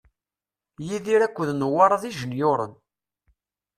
Yidir akked Newwara d ijenyuren.